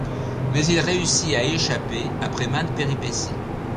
Mais il réussit à y échapper après maintes péripéties.